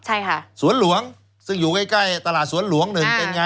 ใช่ค่ะสวนหลวงซึ่งอยู่ใกล้ใกล้ตลาดสวนหลวงหนึ่งเป็นไง